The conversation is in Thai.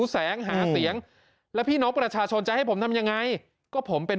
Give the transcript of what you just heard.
แสงหาเสียงแล้วพี่น้องประชาชนจะให้ผมทำยังไงก็ผมเป็น